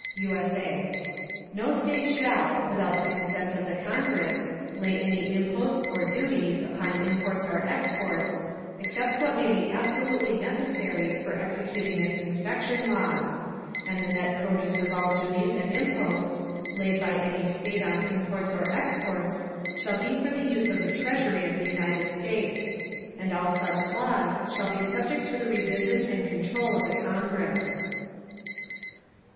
[USA] No State shall, without the consent of the Congress, lay any Imposts or Duties on Imports or Exports, except what may be absolutely necessary for executing its inspection Laws: and the net Produce of all Duties and Imposts, laid by any State on Imports or Exports, shall be for the Use of the Treasury of the United States; and all such Laws shall be subject to the Revision and Controul of the Congress.